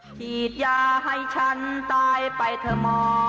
ฉีดยาให้ฉันตายไปเถอะหมอ